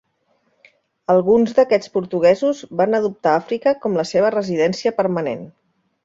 Alguns d'aquests portuguesos van adoptar Àfrica com la seva residència permanent.